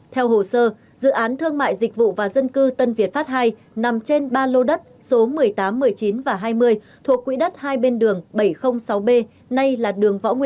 theo hồ sơ dự án thương mại dịch vụ và dân cư tân việt phát ii nằm trên ba lô đất số một mươi tám một mươi chín và hai mươi thuộc quỹ đất hai bên đường bảy trăm linh sáu b